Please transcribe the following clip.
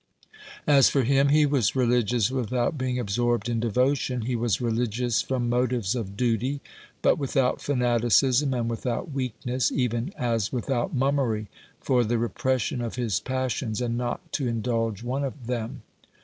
As for him, he was religious without being absorbed in devotion ; he was religious from motives of duty, but without fanaticism and without weakness, even as without mummery, for the repression of his passions and not to indulge one of them.